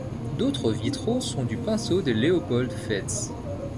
D'autres vitraux sont du pinceau de Leopold Fetz.